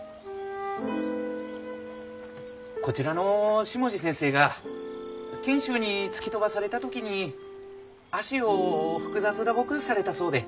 こちらの下地先生が賢秀に突き飛ばされた時に脚を複雑打撲されたそうで。